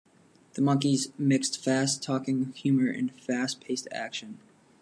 The monkeys mixed fast-talking humor with fast-paced action.